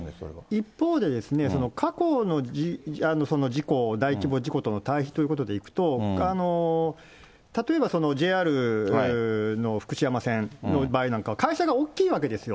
一方で、過去の事故、大規模事故との対比ということでいくと、例えばＪＲの福知山線の場合なんかは、会社が大きいわけなんですよ。